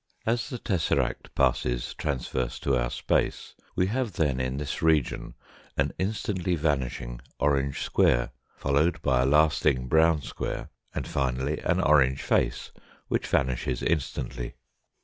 As the tesseract passes transverse to our space, we have then in this region an instantly vanishing orange square, followed by a lasting brown square, and finally an orange face which vanishes instantly.